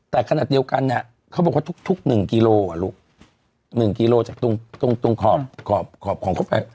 แต่ขณะเดียวกันเนี้ยเขาบอกว่าทุกทุกหนึ่งกิโลอะลูกหนึ่งกิโลจากตรงตรงตรงขอบขอบของเขาไป